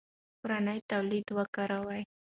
کورني تولیدات وکاروئ.